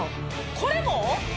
これも？